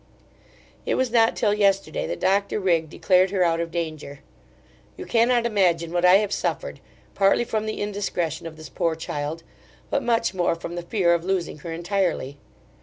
It was not till yesterday that Dr Rigge declared her out of danger. You cannot imagine what I have suffered, partly from the indiscretion of this poor child, but much more from the fear of losing her entirely.